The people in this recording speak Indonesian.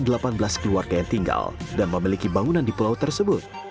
ada delapan belas keluarga yang tinggal dan memiliki bangunan di pulau tersebut